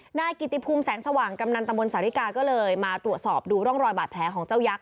นายกิติภูมิแสงสว่างกำนันตะบนสาธิกาก็เลยมาตรวจสอบดูร่องรอยบาดแผลของเจ้ายักษ